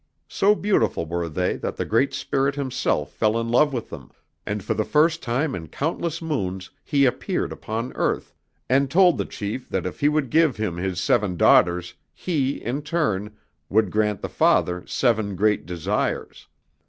So beautiful were they that the Great Spirit himself fell in love with them, and for the first time in countless moons he appeared upon earth, and told the chief that if he would give him his seven daughters he, in turn, would grant the father seven great desires.